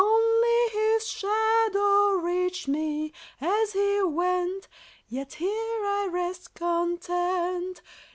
Only His shadow reached me, as He went; Yet here I rest content.